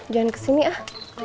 jangan kesini ah